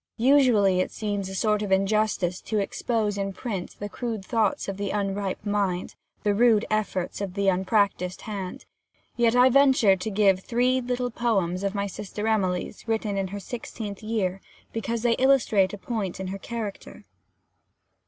Usually, it seems a sort of injustice to expose in print the crude thoughts of the unripe mind, the rude efforts of the unpractised hand; yet I venture to give three little poems of my sister Emily's, written in her sixteenth year, because they illustrate a point in her character.